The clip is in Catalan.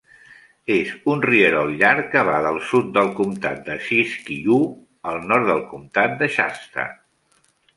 És un rierol llarg que va del sud del comptat de Siskiyou al nord del comptat de Shasta.